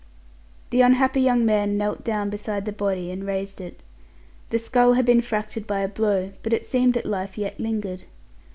The unhappy young man knelt down beside the body and raised it. The skull had been fractured by a blow, but it seemed that life yet lingered.